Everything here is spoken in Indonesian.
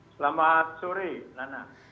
selamat sore nana